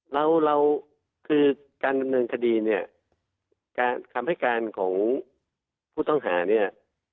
เราเราคือการดำเนินคดีเนี่ยการคำให้การของผู้ต้องหาเนี่ย